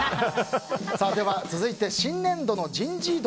では続いて新年度の人事異動。